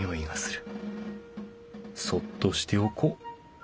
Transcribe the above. そっとしておこう。